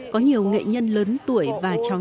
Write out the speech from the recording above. có nhiều nghệ nhân lớn tuổi và trọng